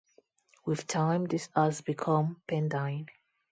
With time this has become Pendine.